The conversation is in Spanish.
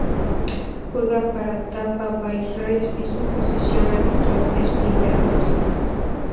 Juega para Tampa Bay Rays y su posición habitual es primera base.